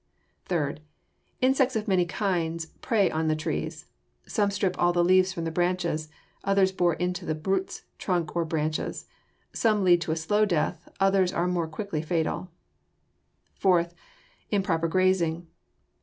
Third, insects of many kinds prey on the trees. Some strip all the leaves from the branches. Others bore into the roots, trunk, or branches. Some lead to a slow death; others are more quickly fatal. Fourth, improper grazing.